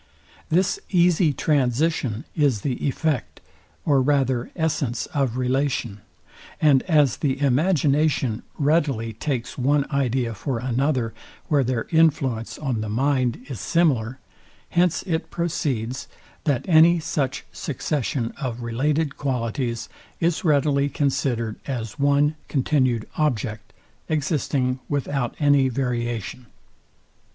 This easy transition is the effect, or rather essence of relation; I and as the imagination readily takes one idea for another, where their influence on the mind is similar; hence it proceeds, that any such succession of related qualities is readily considered as one continued object, existing without any variation.